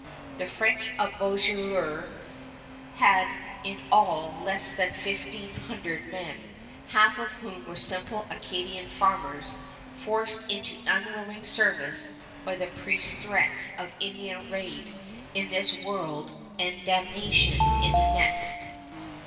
The French of Beauséjour had in all less than fifteen hundred men, half of whom were simple Acadian farmers forced into unwilling service by the priest's threats of Indian raid in this world and damnation in the next.